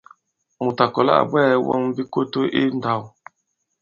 Mùt à kɔ̀la à bwɛɛ̄ wɔn bikoto i ndāw.